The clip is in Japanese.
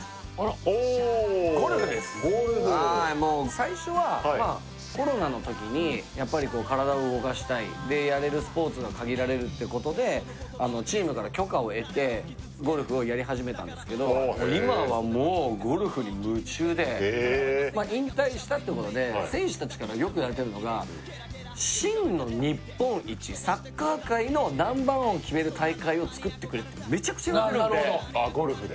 最初はコロナの時にやっぱり体を動かしたいでやれるスポーツが限られるってことでチームから許可を得てゴルフをやり始めたんですけど今はもうゴルフに夢中でえよく言われてるのが真の日本一をつくってくれってめちゃくちゃ言われてるんでゴルフで？